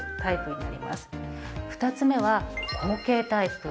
２つ目は後傾タイプ。